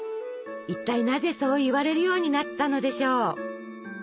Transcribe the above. いったいなぜそう言われるようになったのでしょう？